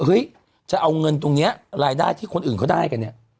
เฮ้ยจะเอาเงินตรงนี้รายได้ที่คนอื่นเขาได้กันเนี่ย